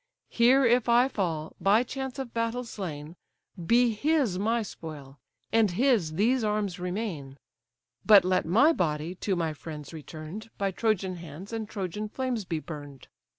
Here if I fall, by chance of battle slain, Be his my spoil, and his these arms remain; But let my body, to my friends return'd, By Trojan hands and Trojan flames be burn'd.